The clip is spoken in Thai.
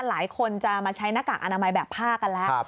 หลายคนจะมาใช้หน้ากากอนามัยแบบผ้ากันแล้ว